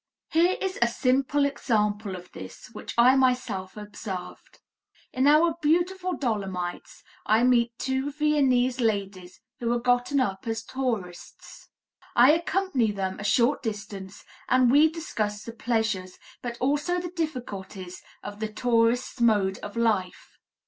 Here is a simple example of this, which I myself observed. In our beautiful Dolomites, I meet two Viennese ladies who are gotten up as tourists. I accompany them a short distance and we discuss the pleasures, but also the difficulties of the tourist's mode of life.